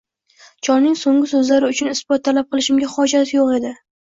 Cholning so`nggi so`zlari uchun isbot talab qilishimga hojat yo`q edi